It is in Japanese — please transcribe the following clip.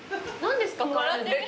何ですか？